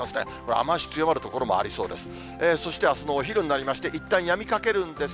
雨足強まる所もありそうです。